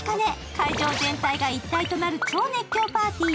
会場全体が一体となる超熱狂のパーティー。